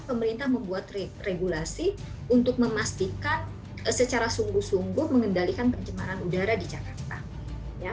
pemerintah membuat regulasi untuk memastikan secara sungguh sungguh mengendalikan pencemaran udara di jakarta